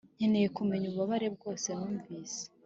nkeneye kumenya ububabare bwose numvise,